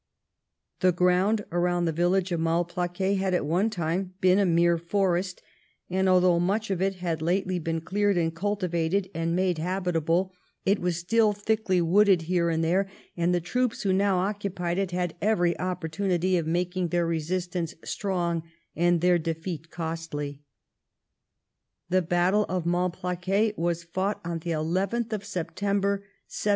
The ground around the village of Malplaquet had at one time been a mere forest, and although much of it had lately been cleared, cultivated, and made habit able, it was still thickly wooded here and there, and the troops who now occupied it had every opportunity of making their resistance strong and their defeat costly. The battle of Malplaquet was fought on the 11th of September, 1709.